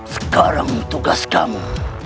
sekarang tugas kamu